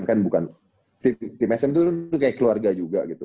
kan bukan tim sm tuh kayak keluarga juga gitu